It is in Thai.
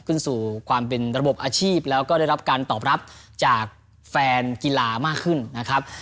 ขึ้นสู่ความเป็นระบบอาชีพแล้วก็ได้รับการตอบรับจากแฟนกีฬามากขึ้นนะครับ